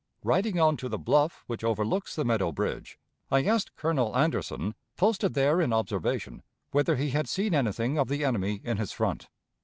Riding on to the bluff which overlooks the Meadow Bridge, I asked Colonel Anderson, posted there in observation, whether he had seen anything of the enemy in his front.